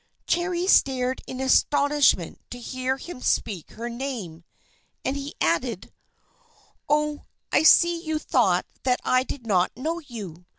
Cherry stared in astonishment to hear him speak her name; and he added: "Oh! I see you thought that I did not know you!